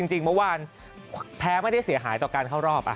จริงเมื่อวานแพ้ไม่ได้เสียหายต่อการเข้ารอบ